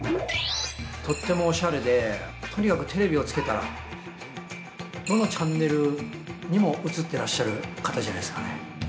とってもおしゃれでとにかくテレビをつけたらどのチャンネルにも、映ってらっしゃる方じゃないですかね。